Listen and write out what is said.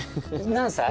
何歳？